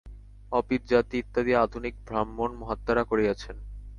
Office জাতি ইত্যাদি আধুনিক ব্রাহ্মণ-মহাত্মারা করিয়াছেন।